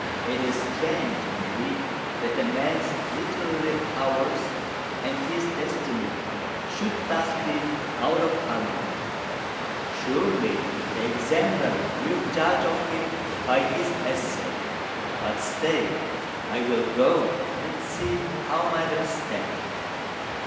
It is strange, indeed, that a man's literary powers and his destiny should thus be out of harmony. Surely the Examiner will judge of him by his essay; but stay: I will go and see how matters stand."